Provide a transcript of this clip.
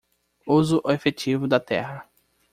Uso efetivo da terra